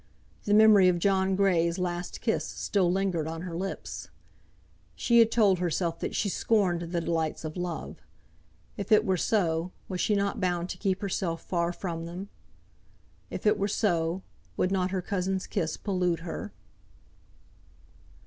The memory of John Grey's last kiss still lingered on her lips. She had told herself that she scorned the delights of love; if it were so, was she not bound to keep herself far from them; if it were so, would not her cousin's kiss pollute her?